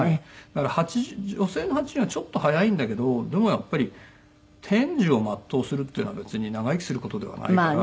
だから女性の８４はちょっと早いんだけどでもやっぱり天寿を全うするっていうのは別に長生きする事ではないから。